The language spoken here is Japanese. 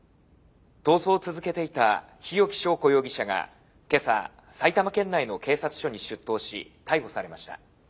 逃走を続けていた日置昭子容疑者が今朝埼玉県内の警察署に出頭し逮捕されました。